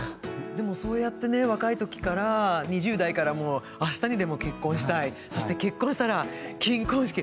でもそうやってね若い時から２０代からもうあしたにでも結婚したいそして結婚したら金婚式。